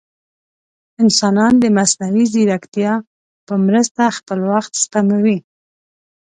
انسانان د مصنوعي ځیرکتیا په مرسته خپل وخت سپموي.